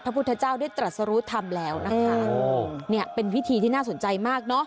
พุทธเจ้าได้ตรัสรุธรรมแล้วนะคะเนี่ยเป็นวิธีที่น่าสนใจมากเนอะ